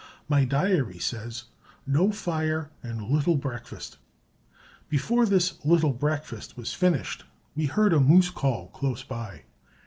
My diary says, "No fire and little breakfast." Before this "little breakfast" was finished we heard a moose call close by.